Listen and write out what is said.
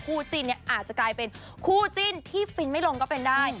จิ้นเนี่ยอาจจะกลายเป็นคู่จิ้นที่ฟินไม่ลงก็เป็นได้